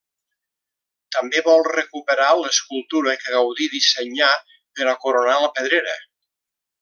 També vol recuperar l'escultura que Gaudí dissenyà per a coronar La Pedrera.